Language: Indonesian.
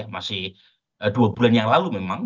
masih dua bulan yang lalu memang